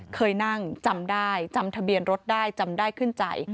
เคยนั่งจำได้จำทะเบียนรถได้จำได้ขึ้นใจ